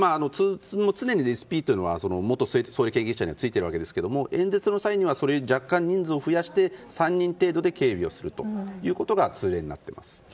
常にＳＰというのは元総理経験者にはついてるわけですけども演説の際には若干人数を増やして３人程度で警備するのが通例になっています。